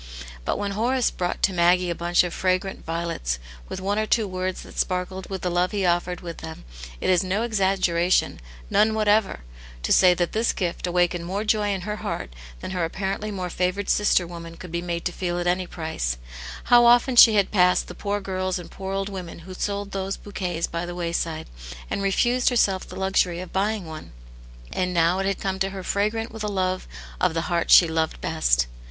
But when Horace brought to Maggie a bunch of fragrant violets, with one or two words that sparkled with the love he offered with them, it is no exaggeration, ttofie whatever^ to say that this gift awakened more joy in her heart than her apparently more favoured sister woman ^ could be made to feel at any ^t\c^% "Rqw oSx^tt ^^* o Aunt ^ane*s Hero. 141 had passed the poor girls and poor old women who sold' these bouquets by the wayside, and refused herself the luxury of buying one ; and now it had come to her fragrant with the love of , the heart she loved best